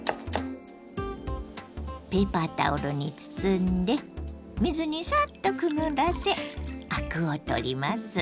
ペーパータオルに包んで水にサッとくぐらせアクを取ります。